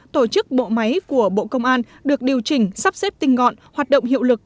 tổ chức bộ máy của bộ công an được điều chỉnh sắp xếp tinh ngọn hoạt động hiệu lực